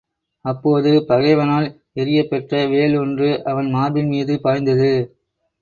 அப்போது பகைவனால் எறியப் பெற்ற வேல் ஒன்று அவன் மார்பின் மீது பாய்ந்தது.